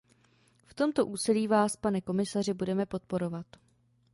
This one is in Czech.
V tomto úsilí vás, pane komisaři, budeme podporovat.